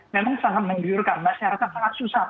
memang sangat menggiurkan masyarakat sangat susah